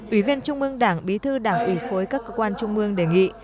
ủy viên trung mương đảng bí thư đảng ủy khối các cơ quan trung mương đề nghị